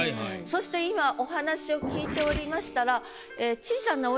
そして今お話を聞いておりましたら。